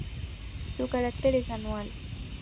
Su carácter es anual.